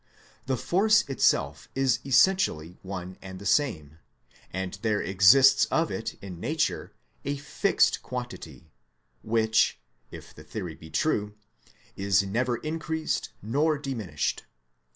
The force itself is essentially one and the same ; and there exists of it in nature a fixed quantity, which (if the theory be true) is never increased or diminished.